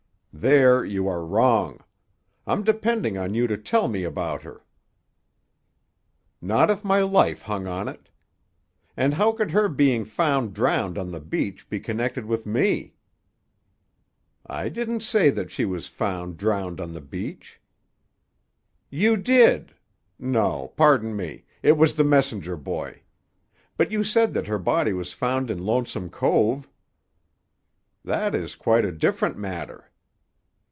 "There you are wrong. I'm depending on you to tell me about her." "Not if my life hung on it. And how could her being found drowned on the beach be connected with me?" "I didn't say that she was found drowned on the beach." "You did! No; pardon me. It was the messenger boy. But you said that her body was found in Lonesome Cove." "That is quite a different matter."